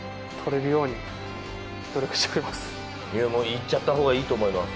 いやもういっちゃった方がいいと思います。